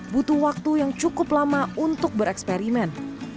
butuh waktu yang cukup lama untuk bereksperimen